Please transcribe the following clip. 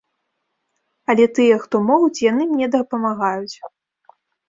Але тыя, хто могуць, яны мне дапамагаюць.